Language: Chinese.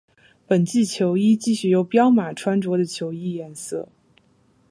本季球衣继续由彪马穿着的球衣颜色。